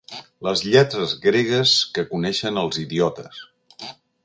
Les lletres gregues que coneixen els idiotes.